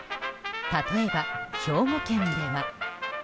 例えば、兵庫県では。